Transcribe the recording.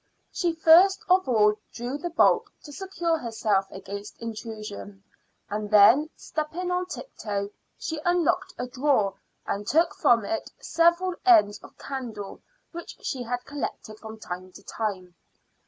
She first of all drew the bolt to secure herself against intrusion, and then stepping on tiptoe, she unlocked a drawer and took from it several ends of candle which she had collected from time to time.